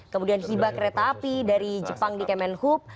kemudian hibah kereta api dari jepang di kemenhub